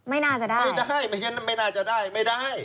ไม่น่าจะได้ไม่ได้ไม่น่าจะได้ไม่ได้